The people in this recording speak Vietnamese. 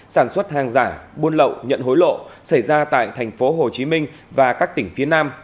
sản xuất hàng giả buôn lậu nhận hối lộ xảy ra tại tp hcm và các tỉnh phía nam